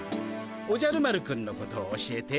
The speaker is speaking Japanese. おじゃる丸くんのことを教えて。